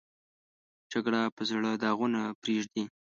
جګړه په زړه داغونه پرېږدي